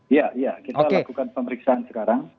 iya iya kita lakukan pemeriksaan sekarang